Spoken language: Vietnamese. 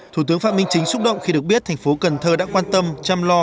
thủ tướng phạm minh chính xúc động khi được biết thành phố cần thơ đã quan tâm chăm lo